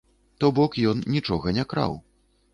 То бок ён нічога не краў.